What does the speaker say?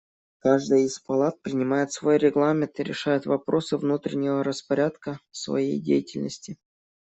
Каждая из палат принимает свой регламент и решает вопросы внутреннего распорядка своей деятельности.